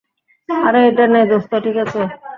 আরে এটা নে দোস্ত - ঠিক আছে।